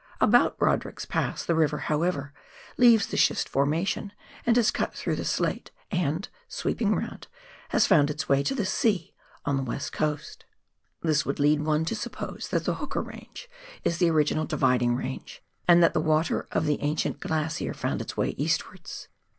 About Brodrick's Pass the river, however, leaves the schist for mation, and has cut through the slate, and, sweeping round, has found its way to the sea on the West Coast. This would LANDSBOROUGH RIVER. 233 lead one to suj^pose that the Hooker Range is the original Dividing Eange, and that the water of the ancient glacier found its way eastwards.